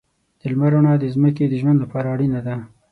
د لمر رڼا د ځمکې د ژوند لپاره اړینه ده.